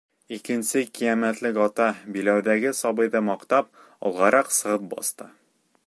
Икенсе ҡиәмәтлек ата, биләүҙәге сабыйҙы маҡтап, алғараҡ сығып баҫты.